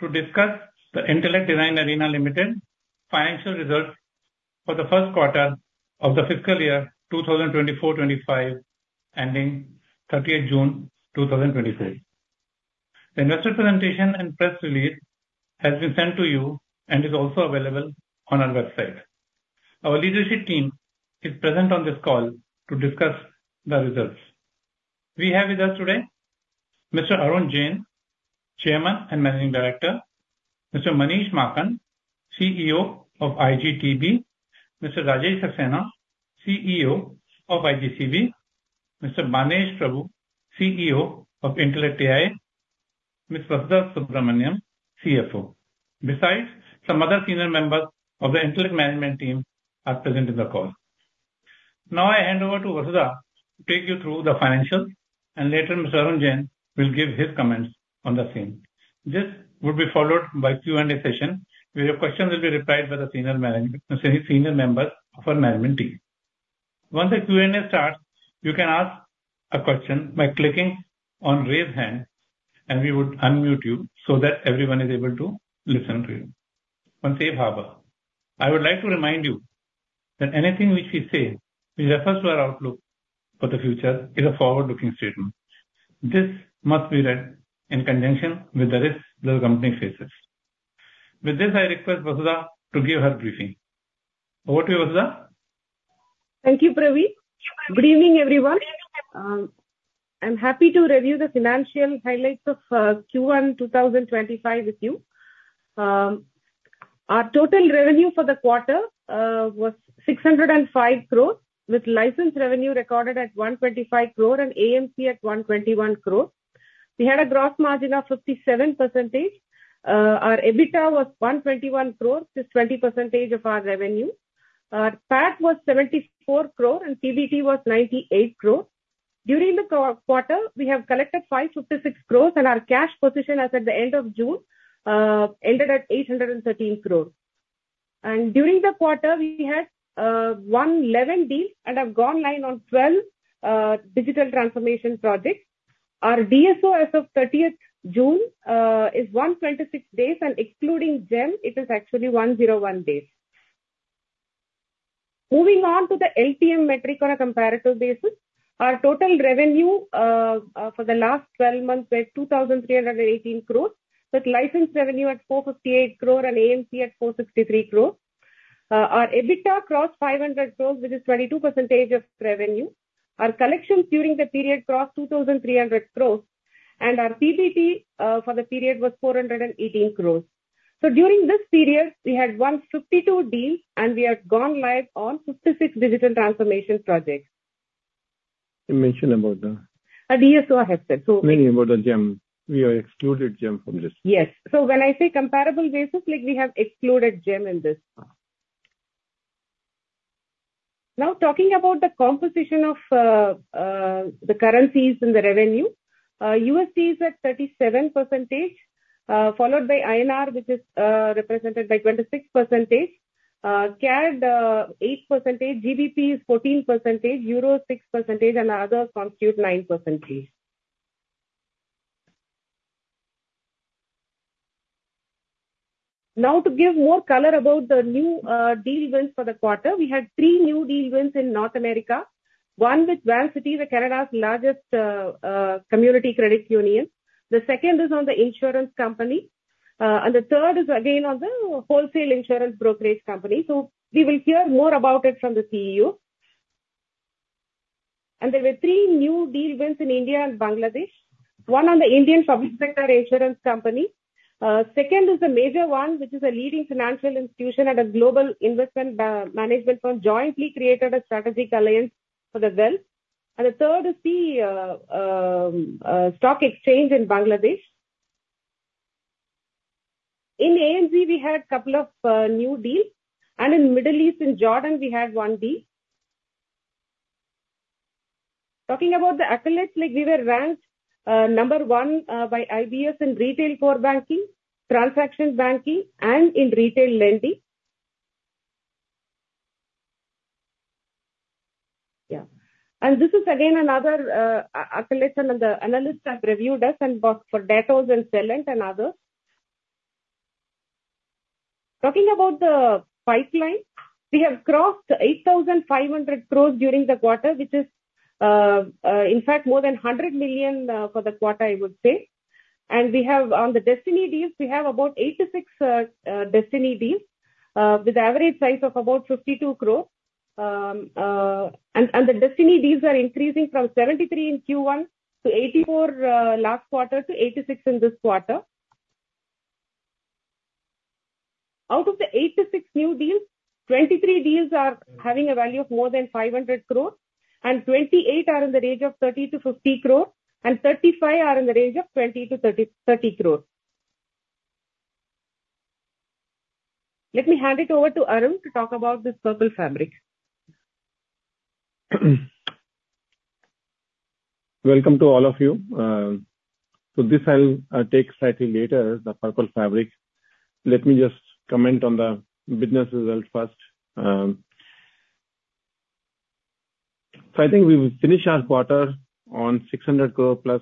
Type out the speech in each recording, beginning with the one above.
To discuss the Intellect Design Arena Limited financial results for the first quarter of the fiscal year 2024-2025 ending 30th June 2024. The investor presentation and press release has been sent to you and is also available on our website. Our leadership team is present on this call to discuss the results. We have with us today Mr. Arun Jain, Chairman and Managing Director; Mr. Manish Maakan, CEO of IGTB; Mr. Rajesh Saxena, CEO of IGCB; Mr. Banesh Prabhu, CEO of Intellect AI; Ms. Vasudha Subramaniam, CFO. Besides, some other senior members of the Intellect Management Team are present in the call. Now I hand over to Vasudha to take you through the financials, and later Mr. Arun Jain will give his comments on the same. This would be followed by a Q&A session where your questions will be replied by the senior members of our management team. Once the Q&A starts, you can ask a question by clicking on Raise Hand, and we would unmute you so that everyone is able to listen to you. Once they have happened, I would like to remind you that anything which we say refers to our outlook for the future is a forward-looking statement. This must be read in conjunction with the risks that the company faces. With this, I request Vasudha to give her briefing. Over to you, Vasudha. Thank you, Praveen. Good evening, everyone. I'm happy to review the financial highlights of Q1 2025 with you. Our total revenue for the quarter was 605 crores, with license revenue recorded at 125 crores and AMC at 121 crores. We had a gross margin of 57%. Our EBITDA was 121 crores, which is 20% of our revenue. Our PAT was 74 crores, and PBT was 98 crores. During the quarter, we have collected 556 crores, and our cash position, as at the end of June, ended at 813 crores. During the quarter, we had won 11 deals and have gone live on 12 digital transformation projects. Our DSO as of 30th June is 126 days, and excluding GeM, it is actually 101 days. Moving on to the LTM metric on a comparative basis, our total revenue for the last 12 months was 2,318 crores, with license revenue at 458 crores and AMC at 463 crores. Our EBITDA crossed 500 crores, which is 22% of revenue. Our collections during the period crossed 2,300 crores, and our PBT for the period was 418 crores. So during this period, we had 152 deals, and we have gone live on 56 digital transformation projects. You mentioned about the. DSO has said. Meaning about the GeM. We have excluded GeM from this. Yes. So when I say comparable basis, we have excluded GeM in this. Now, talking about the composition of the currencies in the revenue, USD is at 37%, followed by INR, which is represented by 26%, CAD 8%, GBP is 14%, EUR 6%, and others constitute 9%. Now, to give more color about the new deal wins for the quarter, we had three new deal wins in North America. One with Vancity, Canada's largest community credit union. The second is on the insurance company. And the third is again on the wholesale insurance brokerage company. So we will hear more about it from the CEO. And there were three new deal wins in India and Bangladesh. One on the Indian public sector insurance company. Second is the major one, which is a leading financial institution and a global investment management firm jointly created a strategic alliance for the wealth. And the third is the stock exchange in Bangladesh. In AMC, we had a couple of new deals. And in the Middle East, in Jordan, we had one deal. Talking about the accolades, we were ranked number one by IBS in retail core banking, transaction banking, and in retail lending. Yeah. And this is again another accolade on the analysts have reviewed us and for Datos Insights and Celent and others. Talking about the pipeline, we have crossed 8,500 crore during the quarter, which is, in fact, more than $100 million for the quarter, I would say. And on the Destiny Deals, we have about 86 Destiny Deals with an average size of about 52 crore. The destiny deals are increasing from 73 in Q1 to 84 last quarter to 86 in this quarter. Out of the 86 new deals, 23 deals are having a value of more than 500 crores, and 28 are in the range of 30 crores-50 crores, and 35 are in the range of 20 crores-30 crores. Let me hand it over to Arun to talk about the Purple Fabric. Welcome to all of you. So this I'll take slightly later, the Purple Fabric. Let me just comment on the business results first. So I think we finished our quarter on 600 crore plus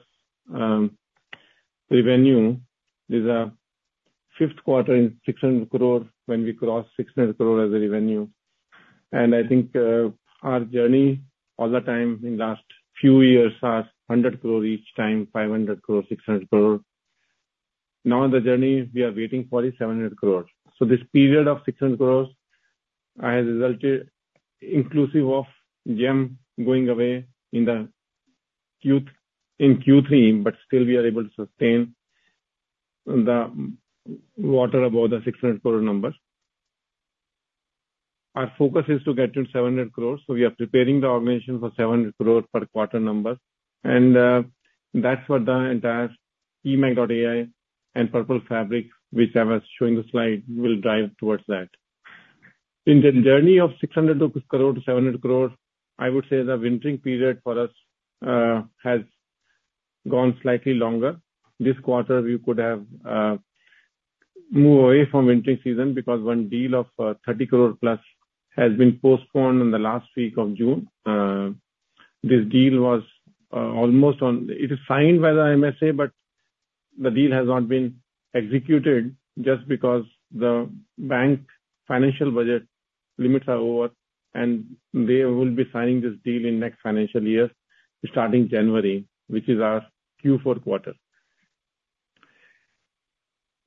revenue. There's a fifth quarter in 600 crore when we crossed 600 crore as a revenue. And I think our journey all the time in the last few years was 100 crore each time, 500 crore, 600 crore. Now the journey we are waiting for is 700 crore. So this period of 600 crore has resulted inclusive of GeM going away in Q3, but still we are able to sustain the watermark above the 600 crore number. Our focus is to get to 700 crore. So we are preparing the organization for 700 crore per quarter number. And that's what the entire eMACH.ai and Purple Fabric, which I was showing the slide, will drive towards that. In the journey of 600 crores to 700 crores, I would say the wintering period for us has gone slightly longer. This quarter, we could have moved away from wintering season because one deal of 30 crores plus has been postponed in the last week of June. This deal was almost on. It is signed by the MSA, but the deal has not been executed just because the bank financial budget limits are over, and they will be signing this deal in next financial year starting January, which is our Q4 quarter.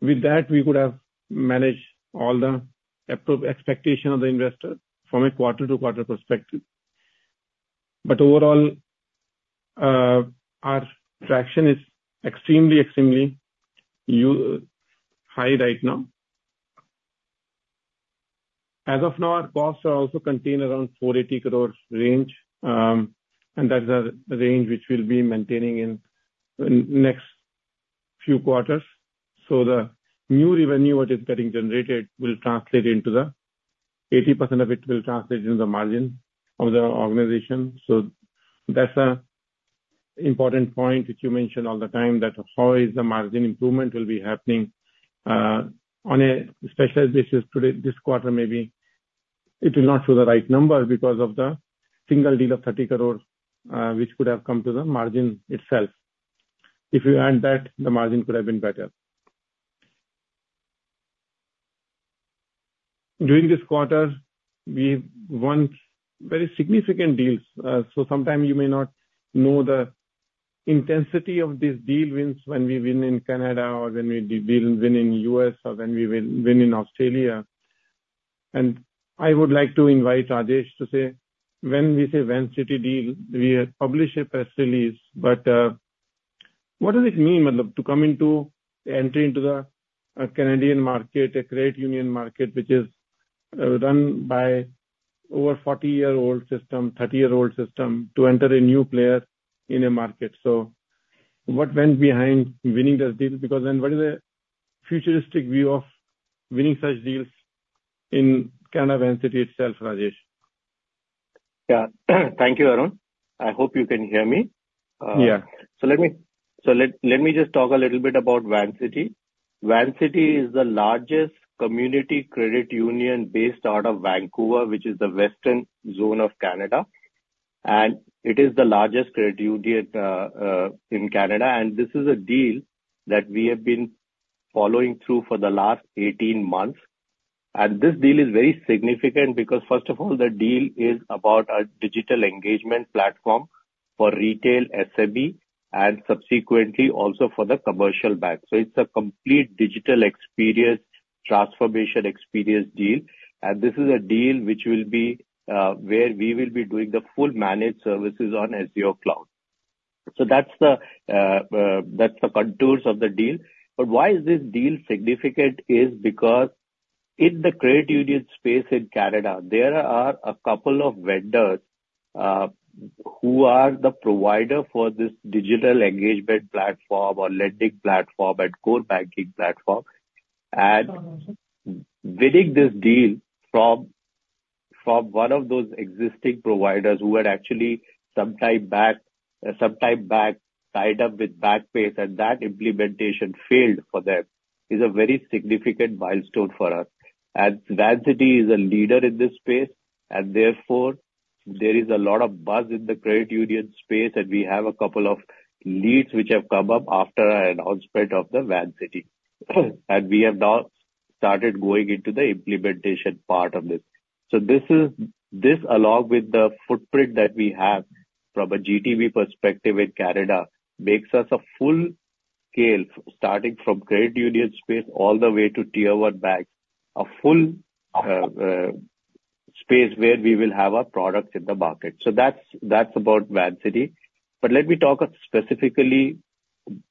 With that, we could have managed all the expectations of the investor from a quarter-to-quarter perspective. But overall, our traction is extremely, extremely high right now. As of now, our costs also contain around 480 crores range. And that is a range which we'll be maintaining in the next few quarters. So the new revenue that is getting generated will translate into the 80% of it will translate into the margin of the organization. So that's an important point which you mentioned all the time that how is the margin improvement will be happening on a specialized basis today. This quarter, maybe it will not show the right number because of the single deal of 30 crore, which could have come to the margin itself. If you add that, the margin could have been better. During this quarter, we won very significant deals. So sometimes you may not know the intensity of these deal wins when we win in Canada or when we win in the U.S. or when we win in Australia. And I would like to invite Rajesh to say, when we say Vancity deal, we publish a press release. But what does it mean to come into entry into the Canadian market, a credit union market, which is run by an over 40-year-old system, 30-year-old system to enter a new player in a market? So what went behind winning those deals? Because then what is the futuristic view of winning such deals in Canada Vancity itself, Rajesh? Yeah. Thank you, Arun. I hope you can hear me. So let me just talk a little bit about Vancity. Vancity is the largest community credit union based out of Vancouver, which is the western zone of Canada. And it is the largest credit union in Canada. And this is a deal that we have been following through for the last 18 months. And this deal is very significant because, first of all, the deal is about a digital engagement platform for retail SMB and subsequently also for the commercial bank. So it's a complete digital experience, transformation experience deal. And this is a deal which will be where we will be doing the full managed services on Azure cloud. So that's the contours of the deal. But why is this deal significant? It is because in the credit union space in Canada, there are a couple of vendors who are the providers for this digital engagement platform or lending platform and core banking platform. And winning this deal from one of those existing providers who had actually some time back, some time back tied up with Backbase and that implementation failed for them is a very significant milestone for us. And Vancity is a leader in this space. And therefore, there is a lot of buzz in the credit union space. And we have a couple of leads which have come up after our announcement of the Vancity. And we have now started going into the implementation part of this. So this, along with the footprint that we have from an GTB perspective in Canada, makes us a full scale starting from credit union space all the way to tier one banks, a full space where we will have our products in the market. So that's about Vancity. But let me talk specifically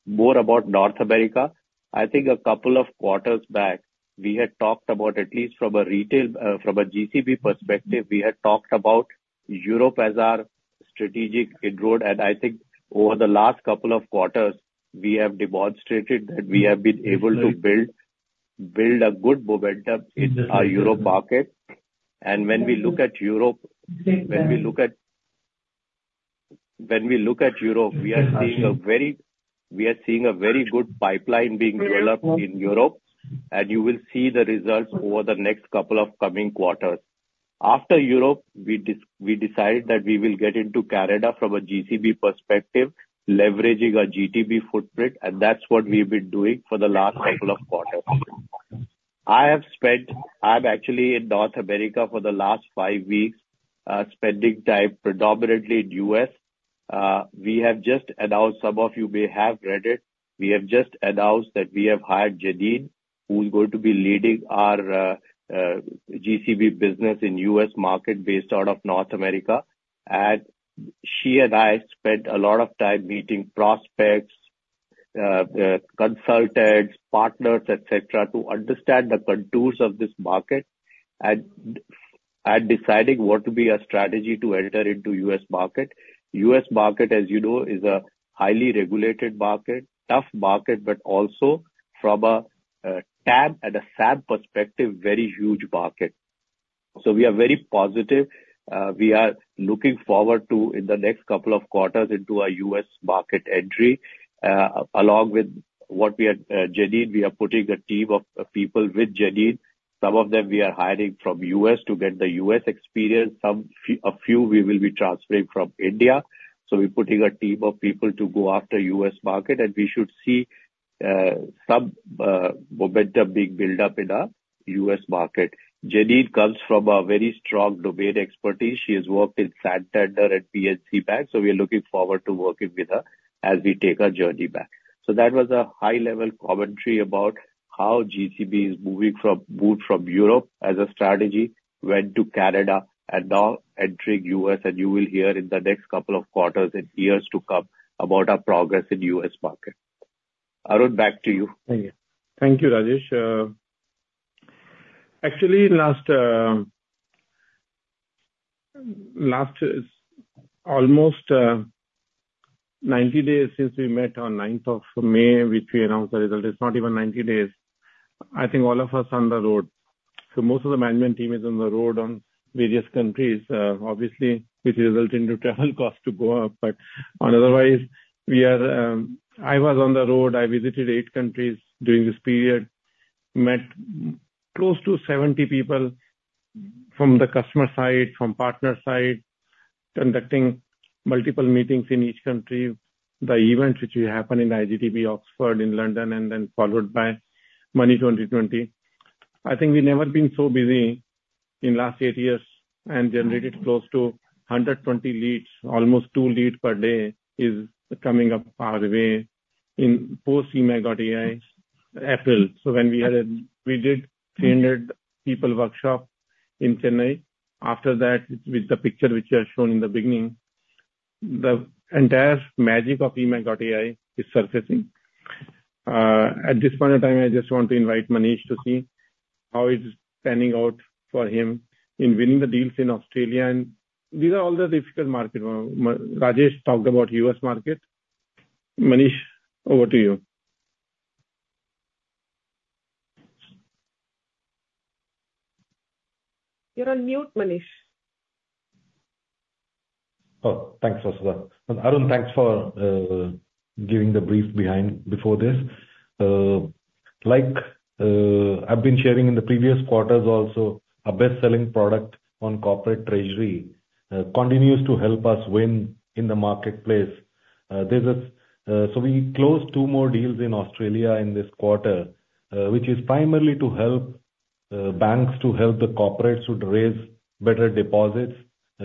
more about North America. I think a couple of quarters back, we had talked about at least from an GCB perspective, we had talked about Europe as our strategic growth. And I think over the last couple of quarters, we have demonstrated that we have been able to build a good momentum in our Europe market. And when we look at Europe, when we look at Europe, we are seeing a very good pipeline being developed in Europe. And you will see the results over the next couple of coming quarters. After Europe, we decided that we will get into Canada from a GCB perspective, leveraging our GTB footprint. That's what we've been doing for the last couple of quarters. I have actually been in North America for the last five weeks, spending time predominantly in the U.S. We have just announced. Some of you may have read it. We have just announced that we have hired Janine, who is going to be leading our GCB business in the U.S. market based out of North America. She and I spent a lot of time meeting prospects, consultants, partners, etc., to understand the contours of this market and deciding what would be a strategy to enter into the U.S. market. The U.S. market, as you know, is a highly regulated market, tough market, but also from a TAM and a SAM perspective, very huge market. So we are very positive. We are looking forward to, in the next couple of quarters, into our U.S. market entry. Along with what we had, Janine, we are putting a team of people with Janine. Some of them we are hiring from the U.S. to get the U.S. experience. A few we will be transferring from India. So we're putting a team of people to go after the U.S. market. And we should see some momentum being built up in the U.S. market. Janine comes from a very strong domain expertise. She has worked in Santander and PNC Bank. So we are looking forward to working with her as we take our journey back. So that was a high-level commentary about how GCB is moving from Europe as a strategy, went to Canada, and now entering the U.S. You will hear in the next couple of quarters and years to come about our progress in the U.S. market. Arun, back to you. Thank you. Thank you, Rajesh. Actually, last almost 90 days since we met on 9th of May, which we announced the result, it's not even 90 days. I think all of us are on the road. So most of the management team is on the road in various countries, obviously, which resulted in travel costs to go up. But otherwise, I was on the road. I visited eight countries during this period, met close to 70 people from the customer side, from partner side, conducting multiple meetings in each country, the events which happened in IGTB, Oxford, in London, and then followed by Money 20/20. I think we've never been so busy in the last eight years and generated close to 120 leads, almost two leads per day is coming up our way in post-eMACH.ai April. When we did a 300-person workshop in Chennai, after that, with the picture which I showed in the beginning, the entire magic of eMACH.ai is surfacing. At this point in time, I just want to invite Manish to see how it's panning out for him in winning the deals in Australia. These are all the difficult markets. Rajesh talked about the U.S. market. Manish, over to you. You're on mute, Manish. Oh, thanks, Vasudha. And Arun, thanks for giving the brief before this. Like I've been sharing in the previous quarters also, our best-selling product on corporate treasury continues to help us win in the marketplace. So we closed two more deals in Australia in this quarter, which is primarily to help banks, to help the corporates to raise better deposits,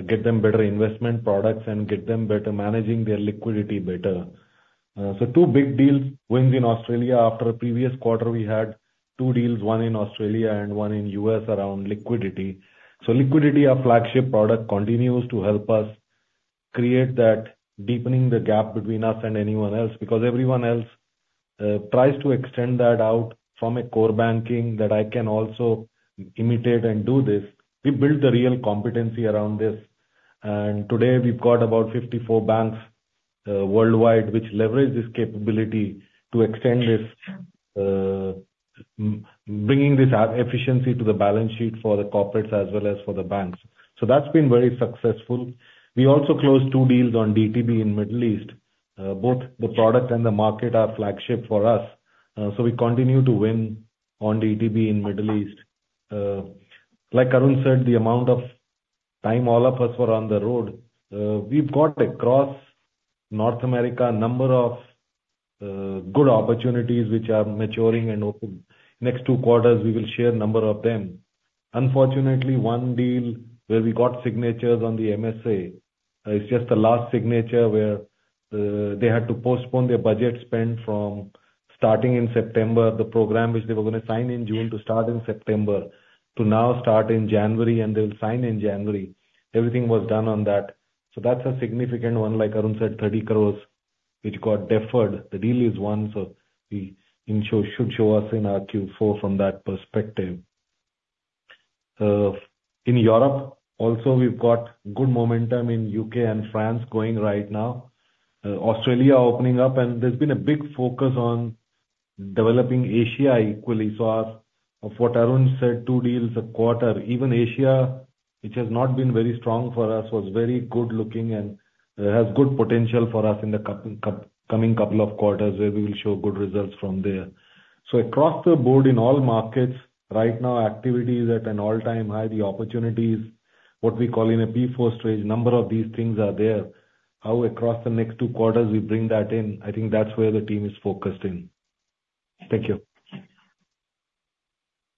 get them better investment products, and get them better managing their liquidity better. So two big deals, wins in Australia. After the previous quarter, we had two deals, one in Australia and one in the U.S. around liquidity. So liquidity, our flagship product, continues to help us create that, deepening the gap between us and anyone else because everyone else tries to extend that out from a core banking that I can also imitate and do this. We built the real competency around this. Today, we've got about 54 banks worldwide which leverage this capability to extend this, bringing this efficiency to the balance sheet for the corporates as well as for the banks. That's been very successful. We also closed two deals on DTB in the Middle East. Both the product and the market are flagship for us. We continue to win on DTB in the Middle East. Like Arun said, the amount of time all of us were on the road, we've got across North America a number of good opportunities which are maturing. Next two quarters, we will share a number of them. Unfortunately, one deal where we got signatures on the MSA is just the last signature where they had to postpone their budget spend from starting in September, the program which they were going to sign in June to start in September, to now start in January, and they will sign in January. Everything was done on that. So that's a significant one. Like Arun said, 30 crore, which got deferred. The deal is one. So we should show us in our Q4 from that perspective. In Europe, also, we've got good momentum in the UK and France going right now, Australia opening up. And there's been a big focus on developing Asia equally. What Arun said, two deals a quarter, even Asia, which has not been very strong for us, was very good-looking and has good potential for us in the coming couple of quarters where we will show good results from there. Across the board, in all markets, right now, activity is at an all-time high. The opportunities, what we call in a P4 stage, number of these things are there. How across the next 2 quarters we bring that in, I think that's where the team is focused in. Thank you.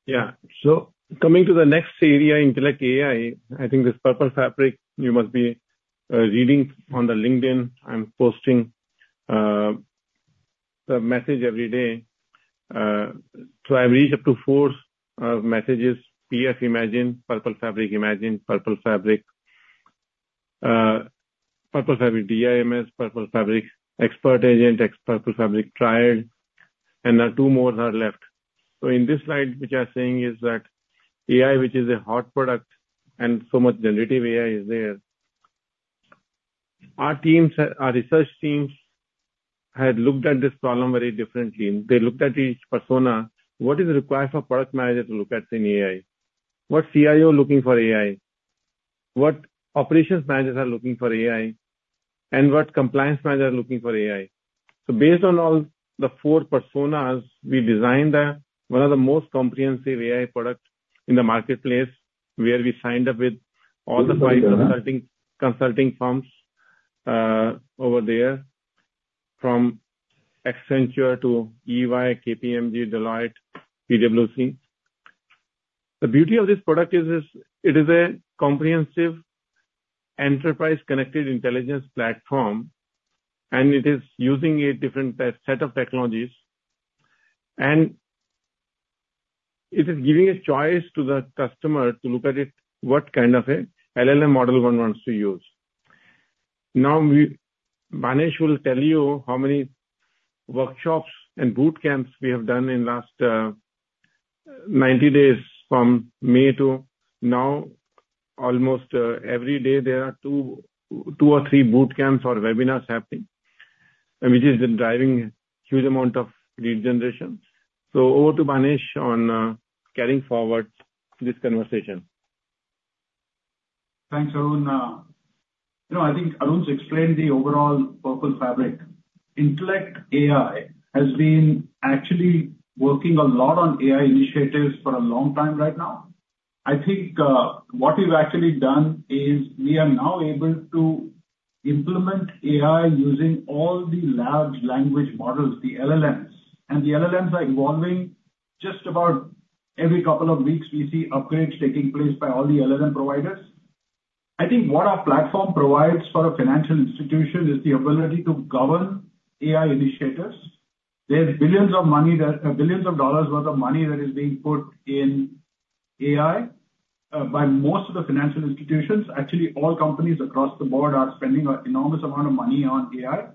Yeah. So coming to the next area, Intellect AI, I think this Purple Fabric, you must be reading on the LinkedIn. I'm posting the message every day. So I've reached up to four messages: PF Imagine, Purple Fabric Imagine, Purple Fabric, Purple Fabric DIMS, Purple Fabric Expert Agent, Purple Fabric Triad, and two more are left. So in this slide, which I'm saying is that AI, which is a hot product, and so much generative AI is there. Our research teams had looked at this problem very differently. They looked at each persona. What is required for a product manager to look at in AI? What's CIO looking for AI? What operations managers are looking for AI? And what compliance managers are looking for AI? So based on all the four personas, we designed one of the most comprehensive AI products in the marketplace where we signed up with all the five consulting firms over there, from Accenture to EY, KPMG, Deloitte, PwC. The beauty of this product is it is a comprehensive enterprise-connected intelligence platform. It is using a different set of technologies. It is giving a choice to the customer to look at it, what kind of LLM model one wants to use. Now, Banesh will tell you how many workshops and boot camps we have done in the last 90 days from May to now. Almost every day, there are two or three boot camps or webinars happening, which is driving a huge amount of lead generation. So over to Banesh on carrying forward this conversation. Thanks, Arun. I think Arun's explained the overall Purple Fabric. Intellect AI has been actually working a lot on AI initiatives for a long time right now. I think what we've actually done is we are now able to implement AI using all the large language models, the LLMs. And the LLMs are evolving. Just about every couple of weeks, we see upgrades taking place by all the LLM providers. I think what our platform provides for a financial institution is the ability to govern AI initiatives. There's billions of dollars worth of money that is being put in AI by most of the financial institutions. Actually, all companies across the board are spending an enormous amount of money on AI.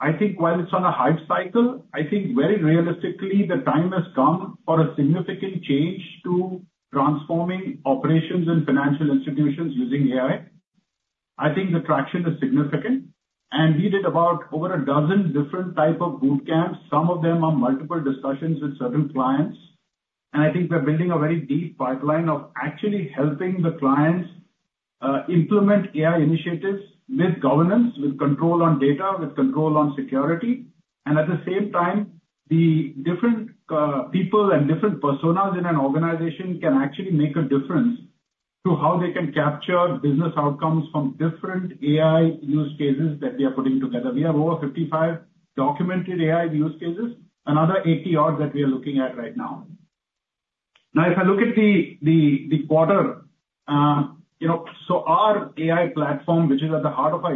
I think while it's on a hype cycle, I think very realistically, the time has come for a significant change to transforming operations and financial institutions using AI. I think the traction is significant. We did about over a dozen different types of boot camps. Some of them are multiple discussions with certain clients. I think we're building a very deep pipeline of actually helping the clients implement AI initiatives with governance, with control on data, with control on security. At the same time, the different people and different personas in an organization can actually make a difference to how they can capture business outcomes from different AI use cases that we are putting together. We have over 55 documented AI use cases, another 80 odd that we are looking at right now. Now, if I look at the quarter, so our AI platform, which is at the heart of our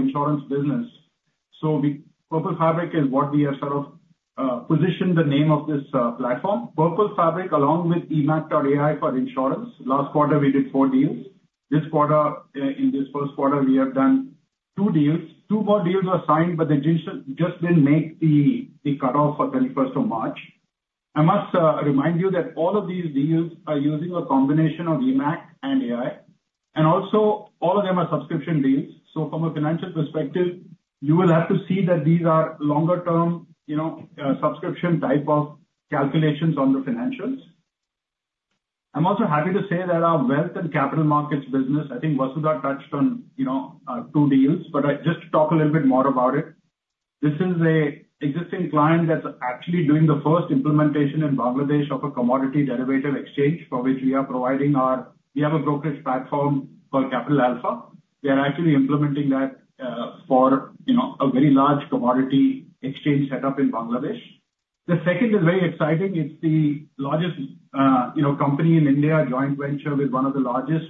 insurance business, so Purple Fabric is what we have sort of positioned the name of this platform. Purple Fabric, along with eMACH.ai for insurance, last quarter, we did 4 deals. This quarter, in this first quarter, we have done two deals. Two more deals were signed, but they just didn't make the cutoff for 31st of March. I must remind you that all of these deals are using a combination of eMACH and AI. And also, all of them are subscription deals. So from a financial perspective, you will have to see that these are longer-term subscription type of calculations on the financials. I'm also happy to say that our wealth and capital markets business, I think Vasudha touched on two deals, but just to talk a little bit more about it. This is an existing client that's actually doing the first implementation in Bangladesh of a commodity derivative exchange for which we are providing our—we have a brokerage platform called Capital Alpha. We are actually implementing that for a very large commodity exchange setup in Bangladesh. The second is very exciting. It's the largest company in India, a joint venture with one of the largest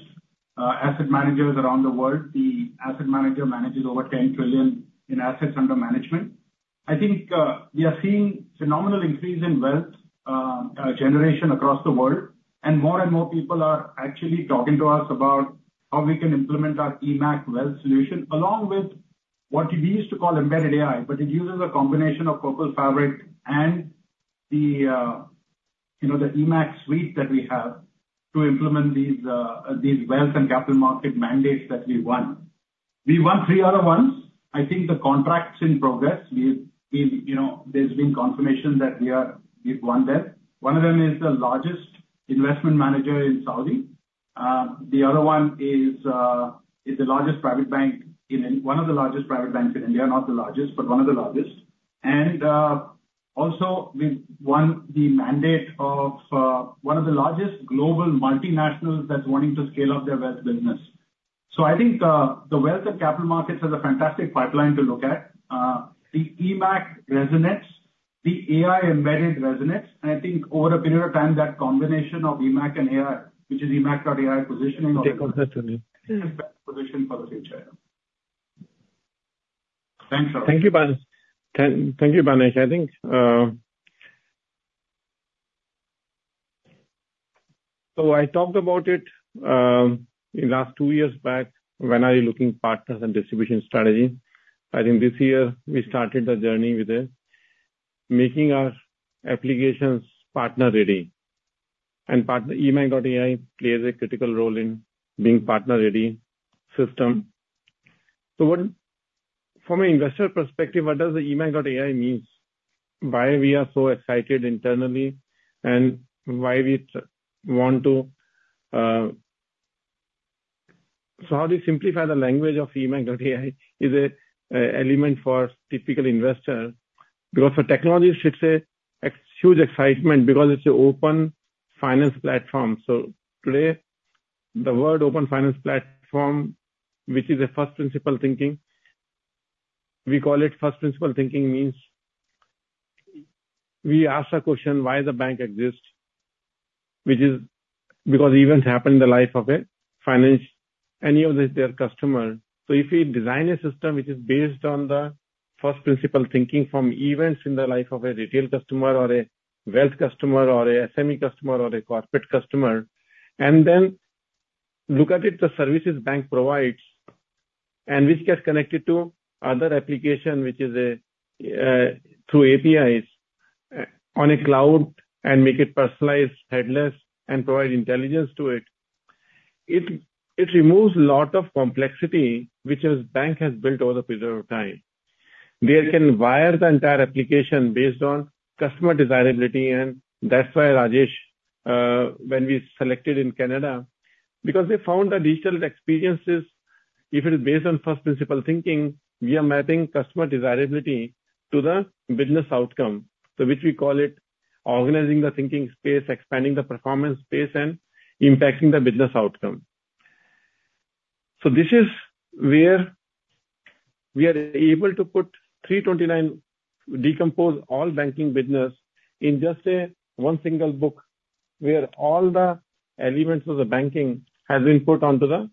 asset managers around the world. The asset manager manages over 10 trillion in assets under management. I think we are seeing a phenomenal increase in wealth generation across the world. And more and more people are actually talking to us about how we can implement our eMACH wealth solution along with what we used to call embedded AI, but it uses a combination of Purple Fabric and the eMACH suite that we have to implement these wealth and capital market mandates that we won. We won three other ones. I think the contract's in progress. There's been confirmation that we've won them. One of them is the largest investment manager in Saudi. The other one is the largest private bank in India, one of the largest private banks in India, not the largest, but one of the largest. And also, we've won the mandate of one of the largest global multinationals that's wanting to scale up their wealth business. So I think the wealth and capital markets are a fantastic pipeline to look at. The eMACH resonates, the AI embedded resonates. And I think over a period of time, that combination of eMACH and AI, which is eMACH.ai positioning, is a better position for the future. Thanks, Arun. Thank you, Banesh. I think so I talked about it last two years back when I was looking at partners and distribution strategy. I think this year, we started the journey with making our applications partner-ready. And eMACH.ai plays a critical role in being partner-ready systems. So from an investor perspective, what does the eMACH.ai mean? Why are we so excited internally and why do we want to—so how do we simplify the language of eMACH.ai? It's an element for a typical investor because the technology should say huge excitement because it's an open finance platform. So today, the word open finance platform, which is a first-principle thinking—we call it first-principle thinking—means we ask a question, "Why does a bank exist?" Which is because events happen in the life of a finance—any of their customers. So if we design a system which is based on the first-principle thinking from events in the life of a retail customer or a wealth customer or an SME customer or a corporate customer, and then look at the services the bank provides, and which gets connected to other applications, which is through APIs on a cloud, and make it personalized, headless, and provide intelligence to it, it removes a lot of complexity which a bank has built over a period of time. They can wire the entire application based on customer desirability. And that's why Rajesh, when we selected in Canada, because we found that digital experiences, if it is based on first-principle thinking, we are mapping customer desirability to the business outcome, which we call organizing the thinking space, expanding the performance space, and impacting the business outcome. This is where we are able to put 329, decompose all banking business in just one single book where all the elements of the banking have been put onto the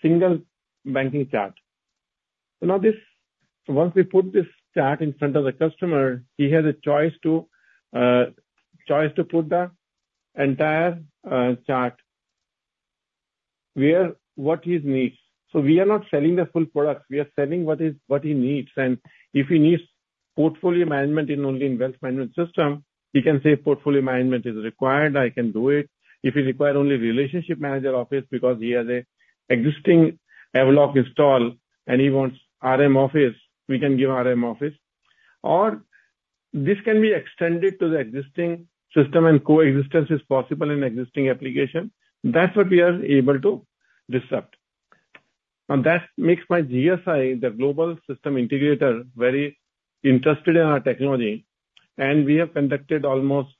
single banking chart. So now, once we put this chart in front of the customer, he has a choice to put the entire chart where what he needs. So we are not selling the full product. We are selling what he needs. And if he needs portfolio management only in the wealth management system, he can say, "Portfolio management is required. I can do it." If he requires only a relationship manager office because he has an existing Avaloq install and he wants RM office, we can give RM office. Or this can be extended to the existing system, and coexistence is possible in the existing application. That's what we are able to disrupt. Now, that makes my GSI, the Global System Integrator, very interested in our technology. We have conducted almost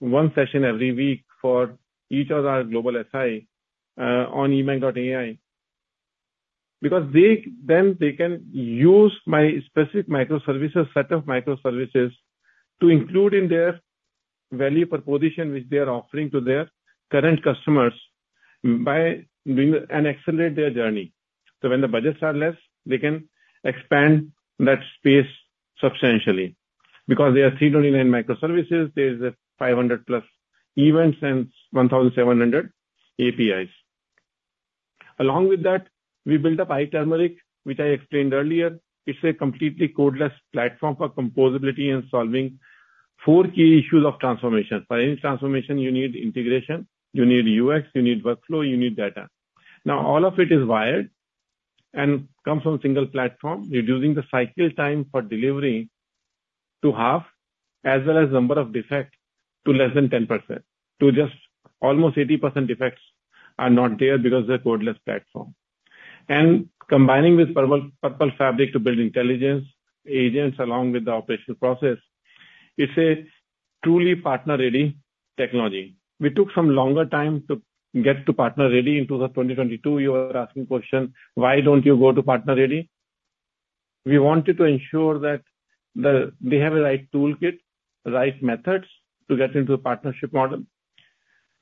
one session every week for each of our Global SI on eMACH.ai because then they can use my specific microservices, a set of microservices, to include in their value proposition which they are offering to their current customers by doing and accelerate their journey. When the budgets are less, they can expand that space substantially because there are 329 microservices. There's 500+ events and 1,700 APIs. Along with that, we built up iTurmeric, which I explained earlier. It's a completely codeless platform for composability and solving four key issues of transformation. For any transformation, you need integration. You need UX. You need workflow. You need data. Now, all of it is wired and comes from a single platform, reducing the cycle time for delivery to half as well as the number of defects to less than 10%. Almost 80% defects are not there because of the codeless platform. Combining with Purple Fabric to build intelligence agents along with the operational process, it is a truly partner-ready technology. We took some longer time to get to partner-ready. In 2022, you were asking a question, "Why don't you go to partner-ready?" We wanted to ensure that they have the right toolkit, the right methods to get into the partnership model.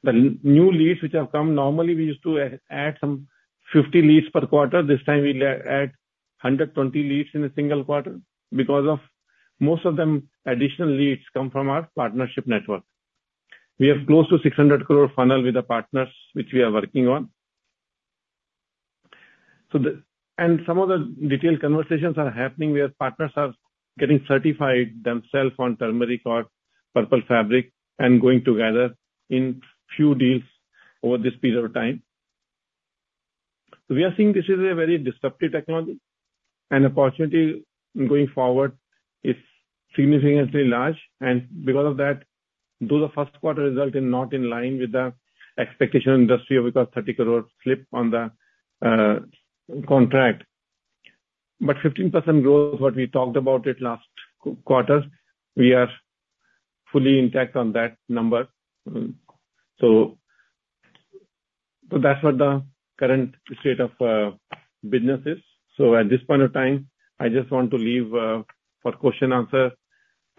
The new leads which have come normally, we used to add some 50 leads per quarter. This time, we add 120 leads in a single quarter because most of the additional leads come from our partnership network. We have close to 600 crore funnel with the partners which we are working on. Some of the detailed conversations are happening where partners are getting certified themselves on iTurmeric or Purple Fabric and going together in a few deals over this period of time. We are seeing this is a very disruptive technology. The opportunity going forward is significantly large. Because of that, though the first quarter resulted not in line with the expectation of the industry of about 30 crore slip on the contract, but 15% growth, what we talked about last quarter, we are fully intact on that number. That's what the current state of business is. At this point of time, I just want to leave for question and answer.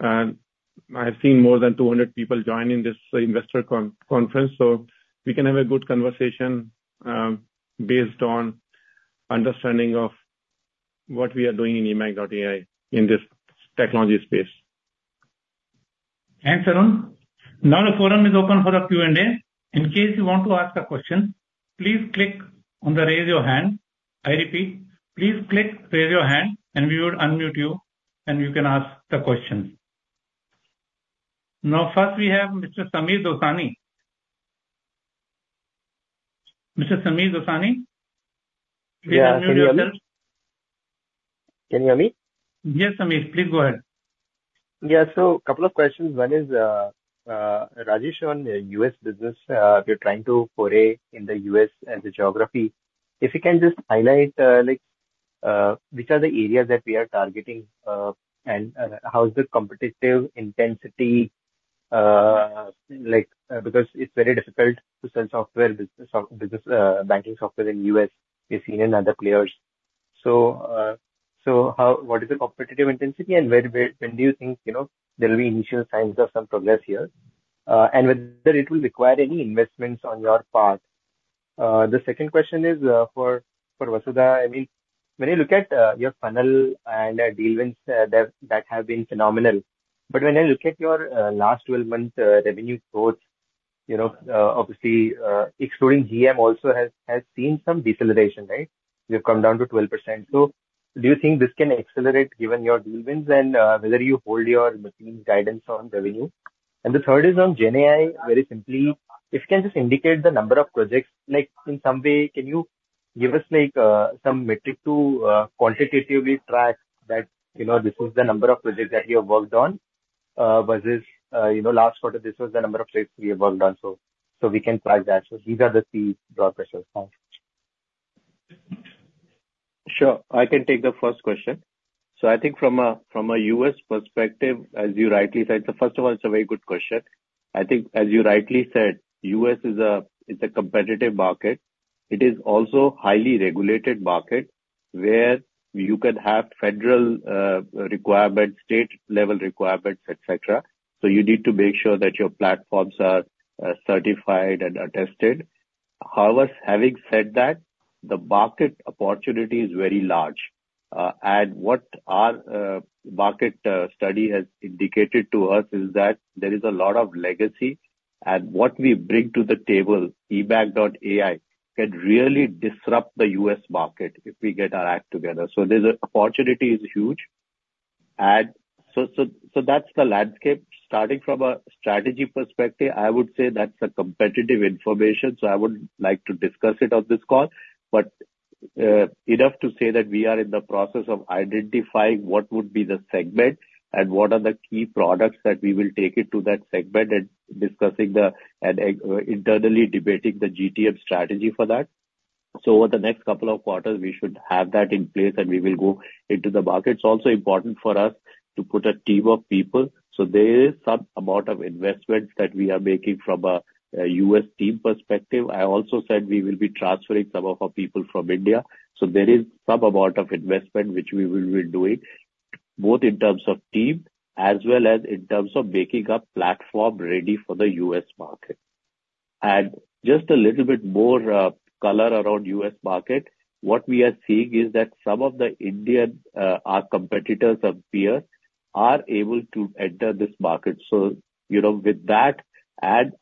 I have seen more than 200 people join in this investor conference. So we can have a good conversation based on understanding of what we are doing in eMACH.ai in this technology space. Thanks, Arun. Now, the forum is open for a Q&A. In case you want to ask a question, please click on the raise your hand. I repeat, please click raise your hand, and we will unmute you, and you can ask the question. Now, first, we have Mr. Samir Dosani. Mr. Samir Dosani, please unmute yourself. Can you hear me? Yes, Samir. Please go ahead. Yeah. So a couple of questions. One is Rajesh on U.S. business. We're trying to foray in the U.S. as a geography. If you can just highlight which are the areas that we are targeting and how is the competitive intensity because it's very difficult to sell software, banking software in the U.S., we've seen in other players. So what is the competitive intensity, and when do you think there will be initial signs of some progress here? And whether it will require any investments on your part? The second question is for Vasudha. I mean, when I look at your funnel and deal wins that have been phenomenal, but when I look at your last 12-month revenue growth, obviously, excluding GeM, also has seen some deceleration, right? We have come down to 12%. So do you think this can accelerate given your deal wins and whether you hold your management guidance on revenue? And the third is on GenAI, very simply, if you can just indicate the number of projects, in some way, can you give us some metric to quantitatively track that this is the number of projects that you have worked on versus last quarter, this was the number of projects we have worked on? So we can track that. So these are the key broad questions. Sure. I can take the first question. So I think from a U.S. perspective, as you rightly said, so first of all, it's a very good question. I think as you rightly said, U.S. is a competitive market. It is also a highly regulated market where you can have federal requirements, state-level requirements, etc. So you need to make sure that your platforms are certified and attested. However, having said that, the market opportunity is very large. And what our market study has indicated to us is that there is a lot of legacy, and what we bring to the table, eMACH.ai, can really disrupt the U.S. market if we get our act together. So the opportunity is huge. And so that's the landscape. Starting from a strategy perspective, I would say that's the competitive information. So I wouldn't like to discuss it on this call, but enough to say that we are in the process of identifying what would be the segment and what are the key products that we will take into that segment and discussing and internally debating the GTM strategy for that. So over the next couple of quarters, we should have that in place, and we will go into the market. It's also important for us to put a team of people. So there is some amount of investment that we are making from a U.S. team perspective. I also said we will be transferring some of our people from India. So there is some amount of investment which we will be doing, both in terms of team as well as in terms of making a platform ready for the U.S. market. Just a little bit more color around the U.S. market, what we are seeing is that some of the Indian competitors and peers are able to enter this market. With that and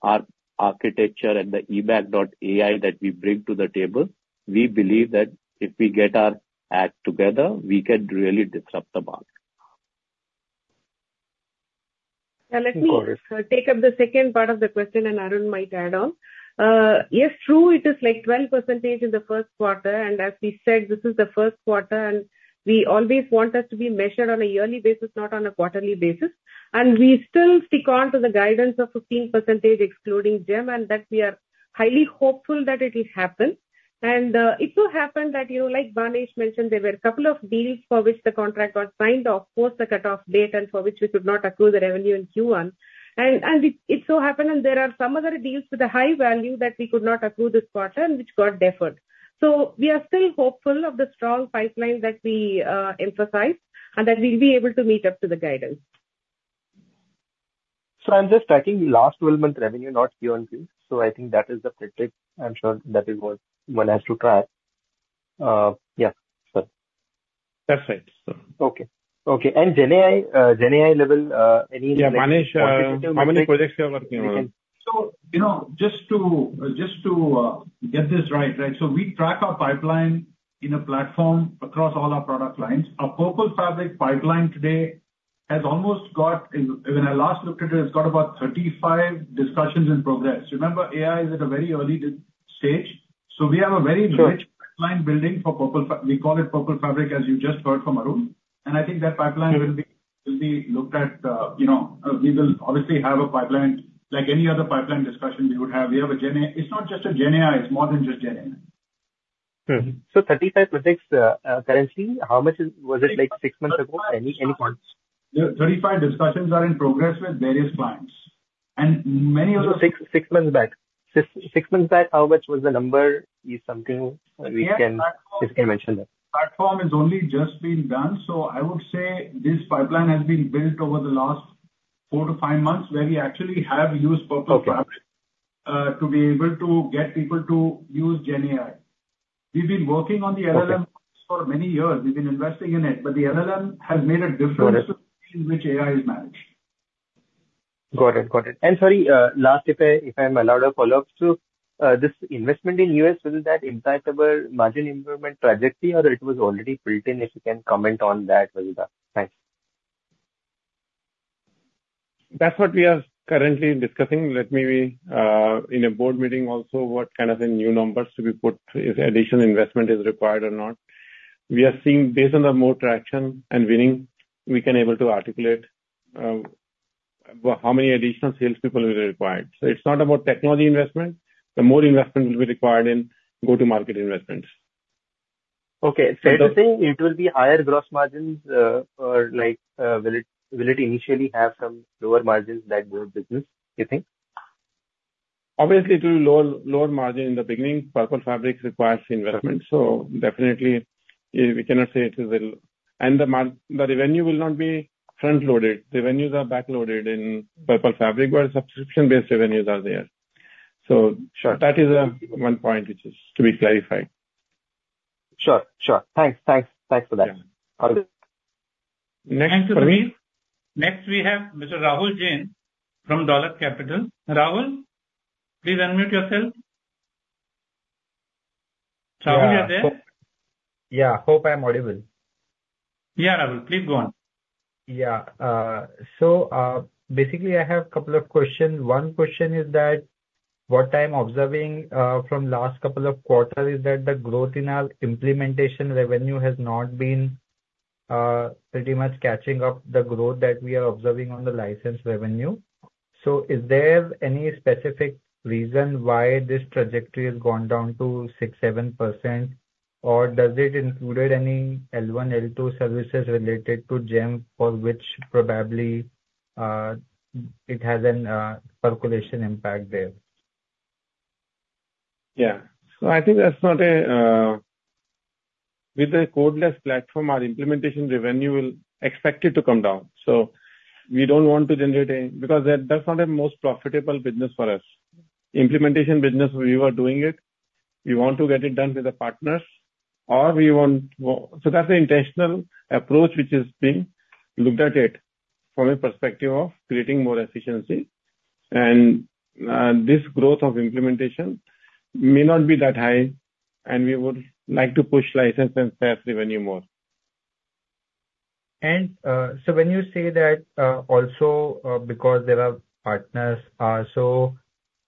our architecture and the eMACH.ai that we bring to the table, we believe that if we get our act together, we can really disrupt the market. Now, let me take up the second part of the question, and Arun might add on. Yes, true, it is like 12% in the first quarter. As we said, this is the first quarter, and we always want us to be measured on a yearly basis, not on a quarterly basis. We still stick on to the guidance of 15% excluding GeM, and that we are highly hopeful that it will happen. It so happened that, like Banesh mentioned, there were a couple of deals for which the contract got signed, of course, the cutoff date, and for which we could not accrue the revenue in Q1. It so happened, and there are some other deals with a high value that we could not accrue this quarter and which got deferred. We are still hopeful of the strong pipeline that we emphasize and that we'll be able to meet up to the guidance. I'm just tracking the last 12-month revenue, not QoQ. I think that is the metric. I'm sure that is what one has to track. Yeah. Sorry. That's right. Okay. Okay. And GenAI level, any? Banesh, how many projects you are working on? So just to get this right, right? So we track our pipeline in a platform across all our product lines. Our Purple Fabric pipeline today has almost got, when I last looked at it, it's got about 35 discussions in progress. Remember, AI is at a very early stage. So we have a very rich pipeline building for Purple. We call it Purple Fabric, as you just heard from Arun. And I think that pipeline will be looked at. We will obviously have a pipeline like any other pipeline discussion we would have. It's not just a GenAI. It's more than just GenAI. 35 projects currently. How much was it like six months ago? Any thoughts? 35 discussions are in progress with various clients. Many of those. Six months back. Six months back, how much was the number? Is something we can mention that. The platform has only just been done. I would say this pipeline has been built over the last four to five months where we actually have used Purple Fabric to be able to get people to use GenAI. We've been working on the LLM for many years. We've been investing in it. The LLM has made a difference in which AI is managed. Got it. Got it. Sorry, last, if I may allow a follow-up, so this investment in U.S., was that impact of a margin improvement trajectory, or it was already built in? If you can comment on that, Vasudha. Thanks. That's what we are currently discussing. Let me be in a board meeting also what kind of new numbers to be put, if additional investment is required or not. We are seeing, based on the more traction and winning, we can be able to articulate how many additional salespeople will be required. So it's not about technology investment. The more investment will be required in go-to-market investments. Okay. So you're saying it will be higher gross margins, or will it initially have some lower margins like business, do you think? Obviously, it will be lower margin in the beginning. Purple Fabric requires investment. So definitely, we cannot say it will and the revenue will not be front-loaded. Revenues are back-loaded in Purple Fabric, where subscription-based revenues are there. So that is one point which is to be clarified. Sure. Sure. Thanks. Thanks. Thanks for that. Next, we have Mr. Rahul Jain from Dolat Capital. Rahul, please unmute yourself. Rahul, you're there? Yeah. I hope I'm audible. Yeah, Rahul. Please go on. Yeah. So basically, I have a couple of questions. One question is that what I'm observing from the last couple of quarters is that the growth in our implementation revenue has not been pretty much catching up the growth that we are observing on the license revenue. So is there any specific reason why this trajectory has gone down to 6%-7%, or does it include any L1, L2 services related to GeM for which probably it has a percolation impact there? Yeah. So I think that's not a—with a codeless platform, our implementation revenue will be expected to come down. So we don't want to generate any—because that's not the most profitable business for us. Implementation business, we were doing it. We want to get it done with the partners, or we want—so that's the intentional approach which is being looked at from a perspective of creating more efficiency. And this growth of implementation may not be that high, and we would like to push license and SaaS revenue more. And so when you say that also because there are partners also,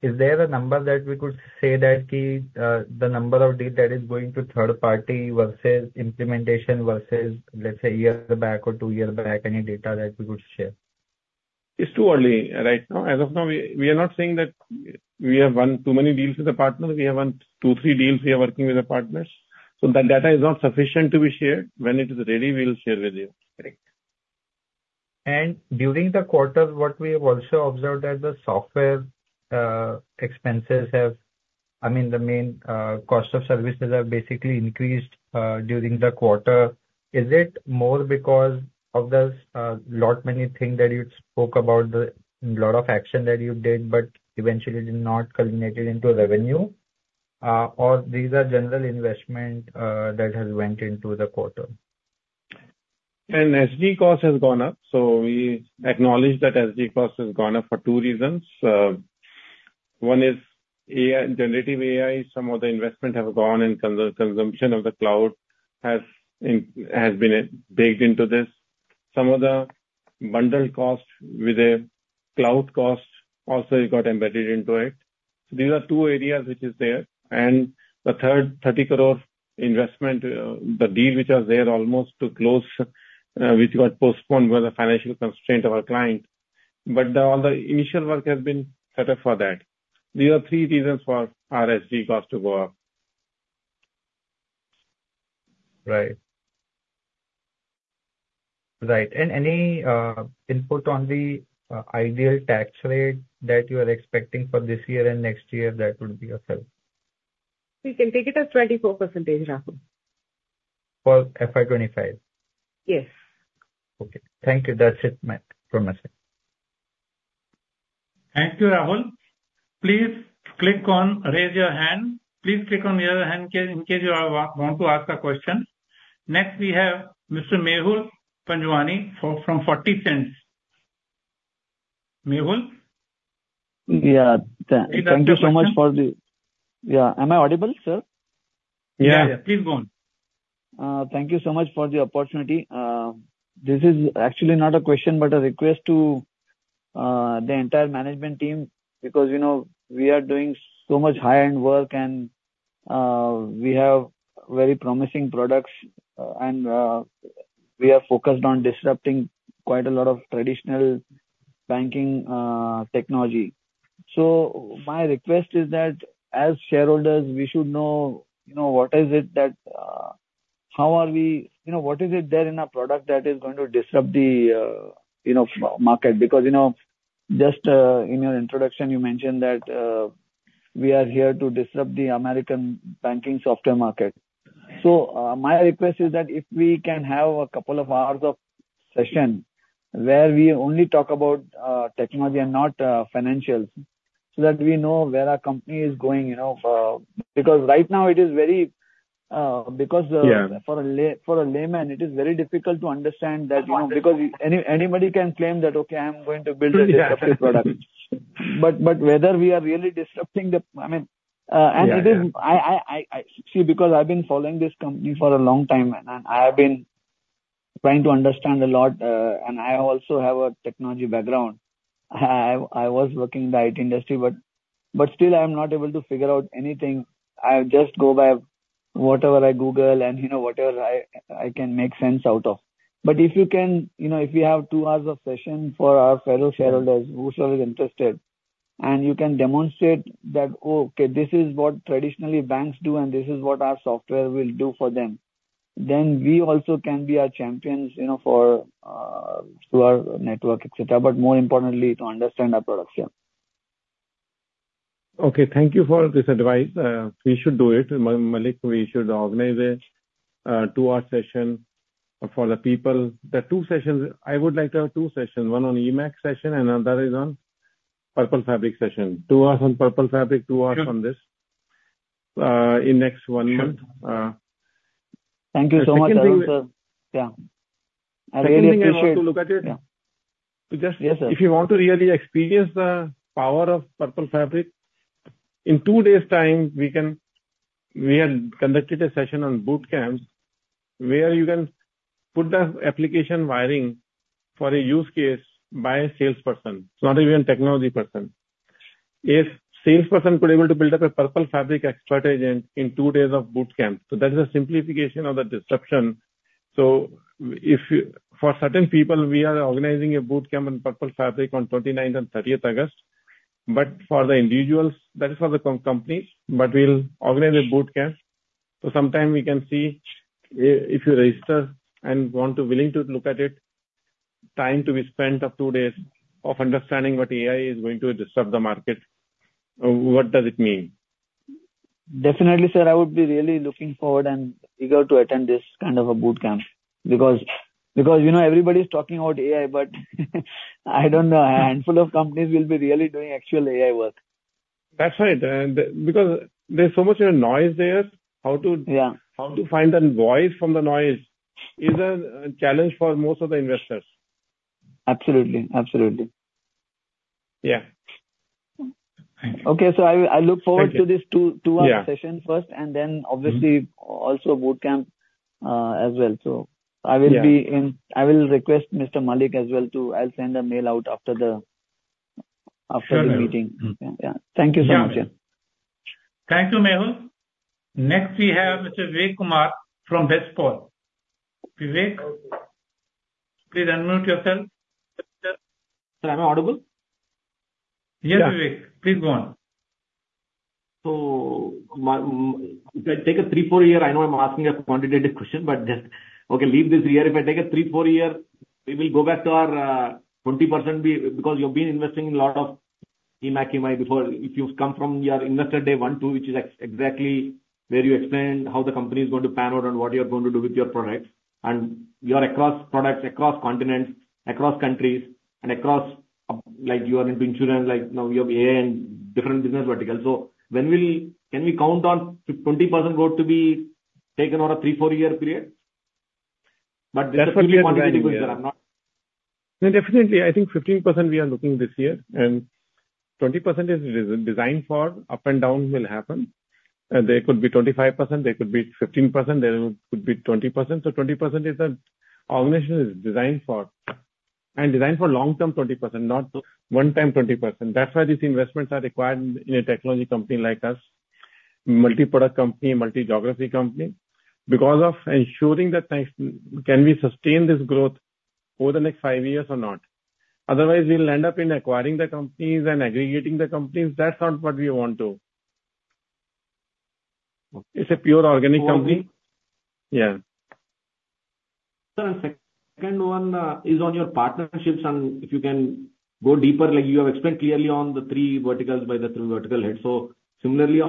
is there a number that we could say that the number of deals that is going to third party versus implementation versus, let's say, a year back or two years back, any data that we could share? It's too early right now. As of now, we are not saying that we have won too many deals with the partners. We have won 2-3 deals we are working with the partners. So that data is not sufficient to be shared. When it is ready, we'll share with you. Great. And during the quarters, what we have also observed is the software expenses have, I mean, the main cost of services have basically increased during the quarter. Is it more because of the lot many things that you spoke about, the lot of action that you did, but eventually did not culminate into revenue, or these are general investments that have went into the quarter? SG cost has gone up. So we acknowledge that SG cost has gone up for two reasons. One is generative AI. Some of the investment has gone, and consumption of the cloud has been baked into this. Some of the bundled cost with a cloud cost also got embedded into it. So these are two areas which are there. And the third, 30 crore investment, the deal which was there almost to close, which got postponed by the financial constraint of our client. But all the initial work has been set up for that. These are three reasons for our SG cost to go up. Right. Right. Any input on the ideal tax rate that you are expecting for this year and next year that would be of help? We can take it as 24%, Rahul. For FY2025? Yes. Okay. Thank you. That's it from my side. Thank you, Rahul. Please click on raise your hand. Please click on raise your hand in case you want to ask a question. Next, we have Mr. Mehul Panjwani from 40 Cents. Mehul? Yeah. Thank you so much for the, yeah. Am I audible, sir? Yeah. Yeah. Please go on. Thank you so much for the opportunity. This is actually not a question, but a request to the entire management team because we are doing so much high-end work, and we have very promising products, and we are focused on disrupting quite a lot of traditional banking technology. So my request is that as shareholders, we should know what is it there in our product that is going to disrupt the market? Because just in your introduction, you mentioned that we are here to disrupt the American banking software market. So my request is that if we can have a couple of hours of session where we only talk about technology and not financials so that we know where our company is going. Because right now, it is very because for a layman, it is very difficult to understand that because anybody can claim that, "Okay, I'm going to build a disruptive product." But whether we are really disrupting the I mean, and it is see, because I've been following this company for a long time, and I have been trying to understand a lot, and I also have a technology background. I was working in the IT industry, but still, I'm not able to figure out anything. I just go by whatever I Google and whatever I can make sense out of. But if you can if we have two hours of session for our fellow shareholders, whoever is interested, and you can demonstrate that, "Okay, this is what traditionally banks do, and this is what our software will do for them," then we also can be our champions through our network, etc. But more importantly, to understand our products. Yeah. Okay. Thank you for this advice. We should do it. Malik, we should organize a two-hour session for the people. The two sessions, I would like to have two sessions. One on eMACH session and another is on Purple Fabric session. Two hours on Purple Fabric, two hours on this in the next one month. Thank you so much, Arun. Yeah. I really appreciate it. If you want to look at it, just if you want to really experience the power of Purple Fabric, in two days' time, we have conducted a session on Boot Camps where you can put the application wiring for a use case by a salesperson, not even a technology person. If a salesperson could be able to build up a Purple Fabric Expert Agent in two days of Boot Camp, so that is a simplification of the disruption. So for certain people, we are organizing a Boot Camp on Purple Fabric on 29th and 30th August. But for the individuals, that is for the company, but we'll organize a Boot Camp. So sometime we can see if you register and are willing to look at it, time to be spent of two days of understanding what AI is going to disrupt the market, what does it mean. Definitely, sir. I would be really looking forward and eager to attend this kind of a boot camp because everybody's talking about AI, but I don't know. A handful of companies will be really doing actual AI work. That's right. Because there's so much noise there. How to find the voice from the noise is a challenge for most of the investors. Absolutely. Absolutely. Yeah. Okay. So I look forward to this two hour session first, and then obviously also boot camp as well. So I will be in—I will request Mr. Malik as well to—I'll send a mail out after the meeting. Yeah. Thank you so much. Yeah. Thank you, Mehul. Next, we have Mr. Vivek Kumar from Bestpal. Vivek, please unmute yourself. Sir, am I audible? Yes, Vivek. Please go on. So if I take a 3-4 year, I know I'm asking a quantitative question, but okay, leave this year. If I take a 3-4 year, we will go back to our 20% because you've been investing in a lot of eMACH, before. If you've come from your Investor Day 1, 2, which is exactly where you explain how the company is going to pan out and what you're going to do with your products. And you're across products, across continents, across countries, and across—like you are into insurance. Now you have AI and different business verticals. So can we count on 20% growth to be taken over a 3-4-year period? But this is purely quantitative question. I'm not. Definitely. I think 15% we are looking this year. 20% is designed for. Up and down will happen. There could be 25%. There could be 15%. There could be 20%. 20% is the organization is designed for. Designed for long-term 20%, not one-time 20%. That's why these investments are required in a technology company like us, multi-product company, multi-geography company, because of ensuring that can we sustain this growth over the next five years or not. Otherwise, we'll end up in acquiring the companies and aggregating the companies. That's not what we want to. It's a pure organic company. Second one is on your partnerships and if you can go deeper. You have explained clearly on the three verticals by the three vertical heads. So similarly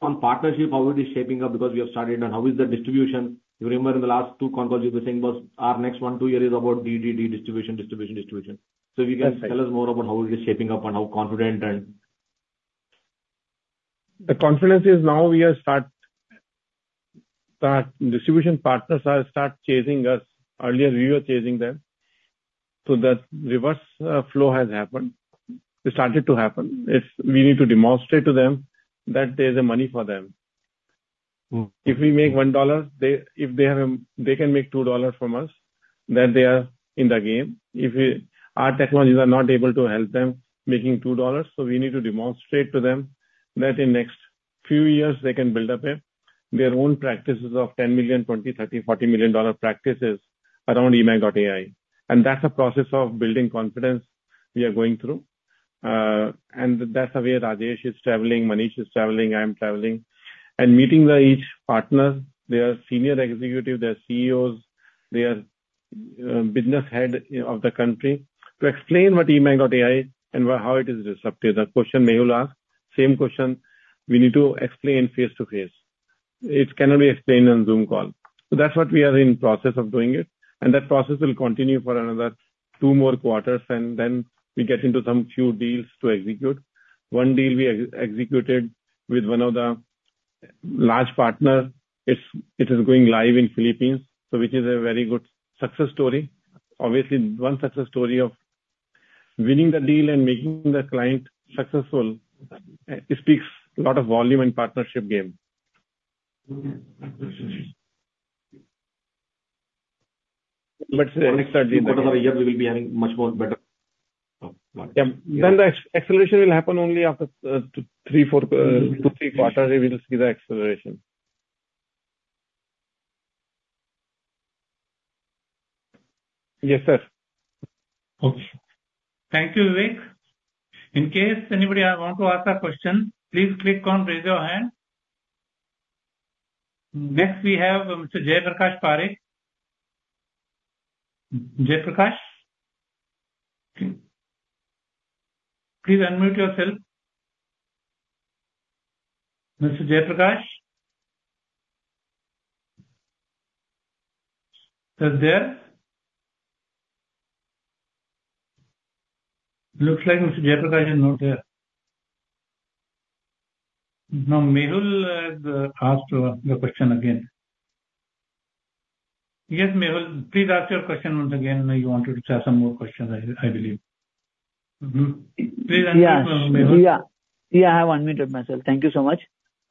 on partnership, how it is shaping up because we have started and how is the distribution? You remember in the last two conversations, you were saying our next one, two years is about DDD distribution, distribution, distribution. So if you can tell us more about how it is shaping up and how confident and. The confidence is now. We have started. The distribution partners have started chasing us. Earlier, we were chasing them. So the reverse flow has happened. It started to happen. We need to demonstrate to them that there's money for them. If we make $1, if they can make $2 from us, then they are in the game. If our technologies are not able to help them making $2, so we need to demonstrate to them that in the next few years, they can build up their own practices of $10 million, $20 million, $30 million, $40 million dollar practices around eMACH.ai. And that's a process of building confidence we are going through. And that's the way Rajesh is traveling, Manish is traveling, I'm traveling. And meeting each partner, their senior executive, their CEOs, their business head of the country to explain what eMACH.ai and how it is disruptive. The question Mehul asked, same question. We need to explain face to face. It cannot be explained on Zoom call. So that's what we are in the process of doing it. And that process will continue for another two more quarters. And then we get into some few deals to execute. One deal we executed with one of the large partners. It is going live in the Philippines, which is a very good success story. Obviously, one success story of winning the deal and making the client successful speaks a lot of volume and partnership game. We will be having much more better. Yeah. Then the acceleration will happen only after 2, 3 quarters. We will see the acceleration. Yes, sir. Okay. Thank you, Vivek. In case anybody wants to ask a question, please click on raise your hand. Next, we have Mr. Jayprakash Parekh. Jayprakash? Please unmute yourself. Mr. Jayprakash? Are you there? Looks like Mr. Jayprakash is not there. Now, Mehul has asked the question again. Yes, Mehul, please ask your question once again. You wanted to ask some more questions, I believe. Please answer, Mehul. Yeah. Yeah. I have unmuted myself. Thank you so much.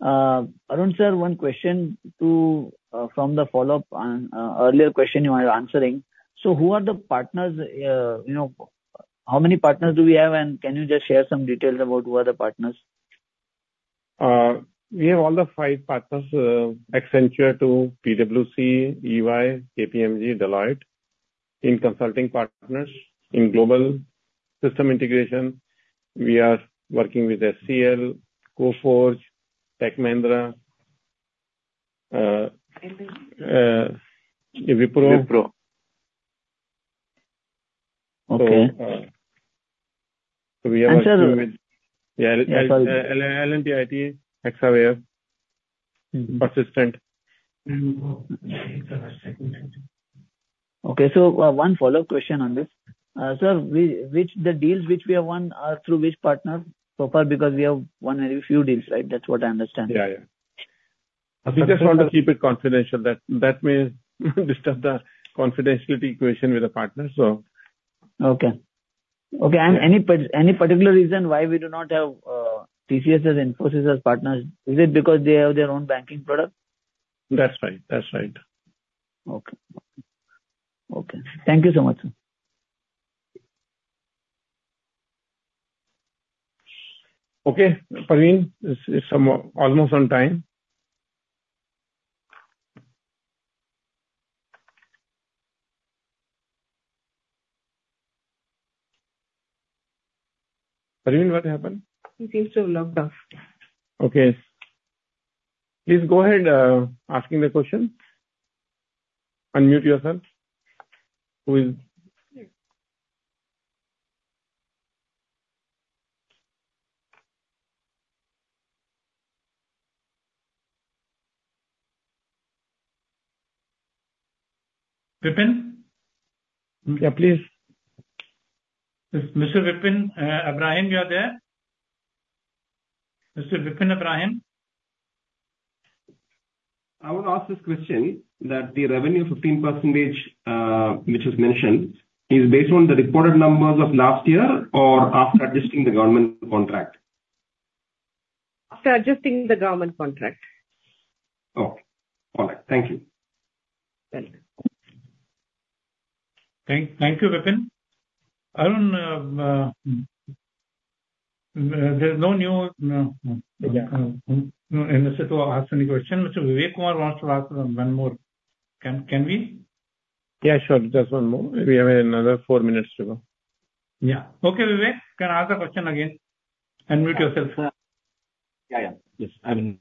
Arun sir, one question from the follow-up on earlier question you are answering. So who are the partners? How many partners do we have? And can you just share some details about who are the partners? We have all the five partners: Accenture, PwC, EY, KPMG, Deloitte in consulting partners in global system integration. We are working with HCLTech, Coforge, Tech Mahindra, Wipro. Yeah. L&T IT, Hexaware, Persistent. Okay. So one follow-up question on this. Sir, the deals which we have won are through which partners? So far because we have won very few deals, right? That's what I understand. Yeah. We just want to keep it confidential. That may disrupt the confidentiality equation with the partners, so. Okay. Okay. Any particular reason why we do not have TCS and Infosys as partners? Is it because they have their own banking product? That's right. That's right. Okay. Okay. Thank you so much, sir. Okay. Praveen, it's almost on time. Praveen, what happened? He seems to have logged off. Okay. Please go ahead asking the question. Unmute yourself. Vipin? Yeah, please. Mr. Vipin Abrahim, you are there? Mr. Vipin Abrahim? I will ask this question that the revenue 15% which was mentioned, is based on the reported numbers of last year or after adjusting the government contract? After adjusting the government contract. Okay. All right. Thank you. Very good. Thank you, Vipin. Arun, there's no new. No. In the situation, ask any question. Mr. Vivek Kumar wants to ask one more. Can we? Yeah, sure. Just one more. We have another four minutes to go. Yeah. Okay, Vivek, can I ask a question again? Unmute yourself. Yeah. Yeah. Yes. I'm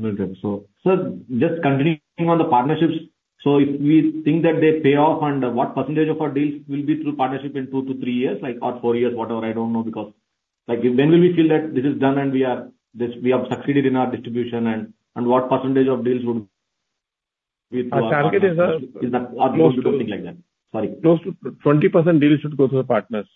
unmuted. So. Sir, just continuing on the partnerships. So if we think that they pay off and what percentage of our deals will be through partnership in 2-3 years, or four years, whatever, I don't know because when will we feel that this is done and we have succeeded in our distribution and what percentage of deals would. The target is. Is that close to something like that? Sorry. Close to 20% deals should go through the partners.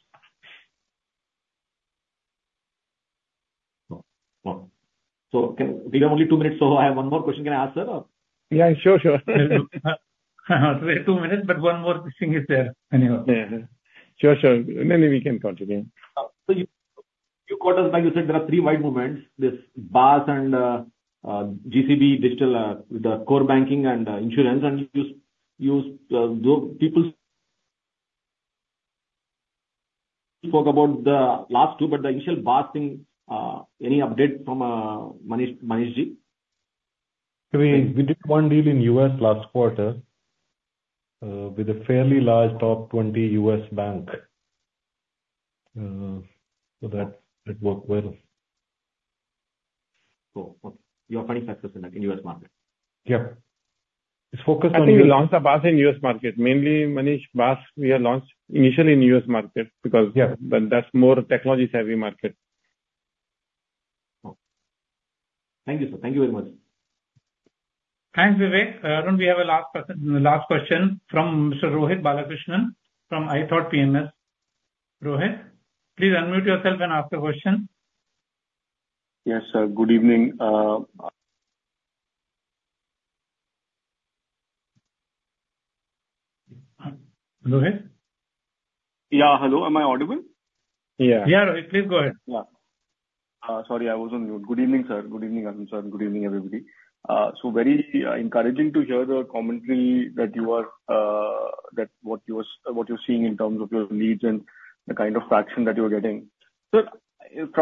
We have only two minutes. I have one more question. Can I ask, sir, or? Yeah. Sure, sure. Two minutes, but one more thing is there. Sure, sure. No, no, we can continue. So you caught us back. You said there are three wide movements: this BaaS and GCB Digital with the core banking and insurance. And you spoke about the last two, but the initial BaaS thing, any update from Manish Ji? We did one deal in the U.S. last quarter with a fairly large top 20 U.S. bank. That worked well. So you have 25% in the U.S. market? Yep. It's focused on. I think we launched the BaaS in the U.S. market. Mainly, Manish, BaaS we have launched initially in the U.S. market because that's more technology-savvy market. Thank you, sir. Thank you very much. Thanks, Vivek. Arun, we have a last question from Mr. Rohit Balakrishnan from iThought PMS. Rohit, please unmute yourself and ask a question. Yes, sir. Good evening. Rohit? Yeah. Hello. Am I audible? Yeah, Rohit. Please go ahead. Yeah. Sorry, I was on mute. Good evening, sir. Good evening, Arun sir. Good evening, everybody. So very encouraging to hear the commentary that what you're seeing in terms of your leads and the kind of traction that you're getting. Sir,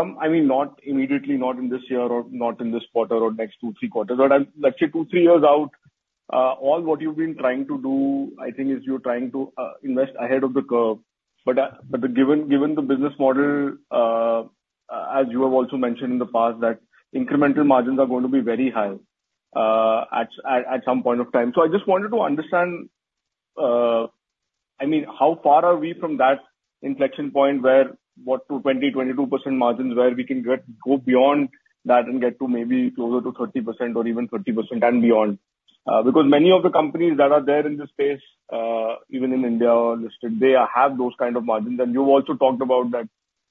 I mean, not immediately, not in this year or not in this quarter or next 2, 3 quarters, but let's say 2, 3 years out, all what you've been trying to do, I think, is you're trying to invest ahead of the curve. But given the business model, as you have also mentioned in the past, that incremental margins are going to be very high at some point of time. I just wanted to understand, I mean, how far are we from that inflection point where 20%-22% margins where we can go beyond that and get to maybe closer to 30% or even 30% and beyond? Because many of the companies that are there in the space, even in India listed, they have those kind of margins. You also talked about that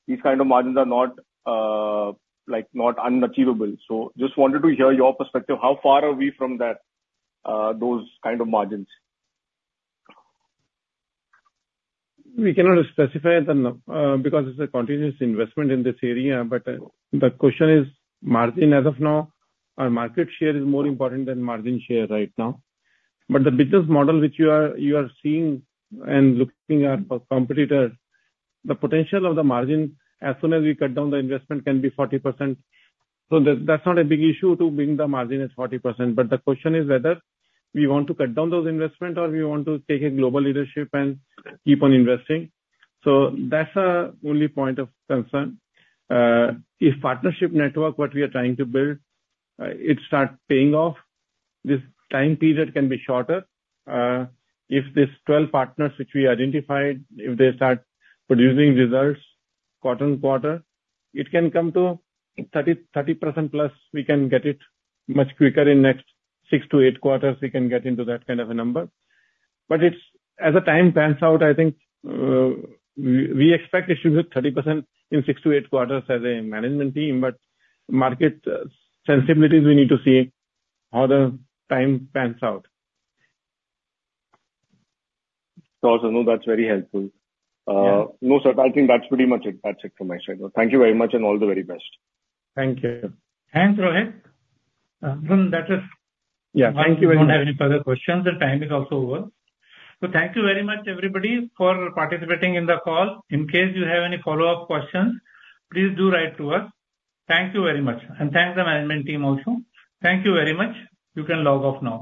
these kind of margins are not unachievable. Just wanted to hear your perspective. How far are we from those kind of margins? We cannot specify because it's a continuous investment in this area. But the question is, margin as of now, our market share is more important than margin share right now. But the business model which you are seeing and looking at for competitors, the potential of the margin as soon as we cut down the investment can be 40%. So that's not a big issue to bring the margin at 40%. But the question is whether we want to cut down those investments or we want to take a global leadership and keep on investing. So that's the only point of concern. If partnership network, what we are trying to build, it starts paying off, this time period can be shorter. If these 12 partners which we identified, if they start producing results quarter on quarter, it can come to 30%+. We can get it much quicker in the next 6-8 quarters. We can get into that kind of a number. But as the time pans out, I think we expect it should be 30% in 6-8 quarters as a management team. But market sensibilities, we need to see how the time pans out. Also, no, that's very helpful. No, sir, I think that's pretty much it. That's it from my side. Thank you very much and all the very best. Thank you. Thanks, Rohit. Arun, that's it. Yeah. Thank you very much. I don't have any further questions. The time is also over. Thank you very much, everybody, for participating in the call. In case you have any follow-up questions, please do write to us. Thank you very much. Thanks to the management team also. Thank you very much. You can log off now.